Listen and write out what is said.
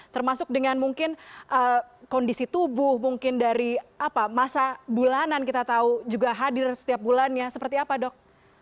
termasuk dengan mungkin kondisi tubuh mungkin dari masa bulanan kita tahu juga hadir setiap bulannya seperti apa dok